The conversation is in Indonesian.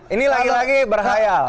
ini lagi lagi berkhayal